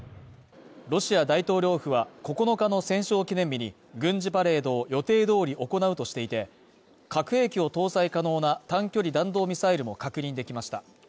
ロシア大統領府は９日の戦勝記念日に軍事パレードを予定通り行うとしていて、核兵器を搭載可能な短距離弾道ミサイルも確認できました。